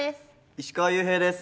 石川裕平です。